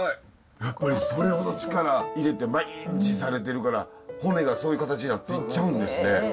やっぱりそれほど力入れて毎日されてるから骨がそういう形になっていっちゃうんですね。